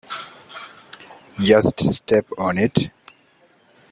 Just step on it.